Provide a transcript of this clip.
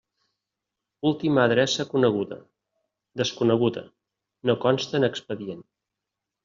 Última adreça coneguda: desconeguda, no consta en expedient.